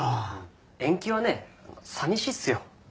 延期はね寂しいっすよ。